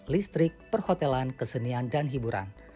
listrik perhotelan kesenian dan hiburan